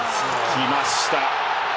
きました。